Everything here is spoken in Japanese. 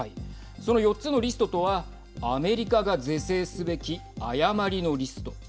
その４つのリストとはアメリカが是正すべき誤りのリスト